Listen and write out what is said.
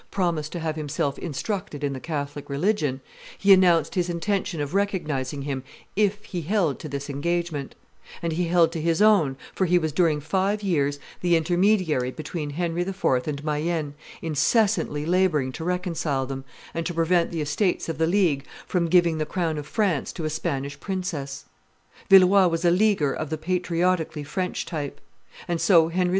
promised to have himself instructed in the Catholic religion, he announced his intention of recognizing him if he held to this engagement; and he held to his own, for he was during five years the intermediary between Henry IV. and Mayenne, incessantly laboring to reconcile them, and to prevent the estates of the League from giving the crown of France to a Spanish princess. Villeroi was a Leaguer of the patriotically French type. And so Henry IV.